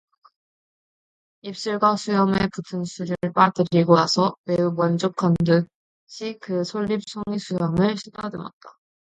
입술과 수염에 붙은 술을 빨아들이고 나서 매우 만족한 듯이 그 솔잎 송이 수염을 쓰다듬었다